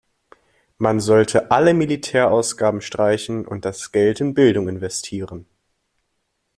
Man sollte alle Militärausgaben streichen und das Geld in Bildung investieren.